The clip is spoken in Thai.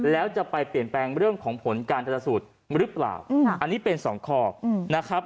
แล้วจะไปเปลี่ยนแปลงเรื่องของผลการชนสูตรหรือเปล่าอันนี้เป็นสองข้อนะครับ